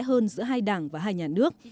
hơn giữa hai đảng và hai nhà nước